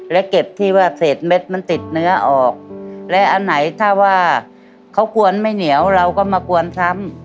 และเก็บที่ว่าเศษเม็ดมันติดเนื้อออกและอันไหนถ้าว่าเขากวนไม่เหนียวเราก็มากวนซ้ำ